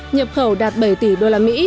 nhập khẩu đạt bảy tỷ usd